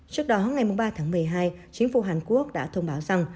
trước đó ngày ba tháng một mươi hai chính phủ hàn quốc đã thông báo rằng